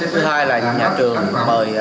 thứ hai là nhà trường mời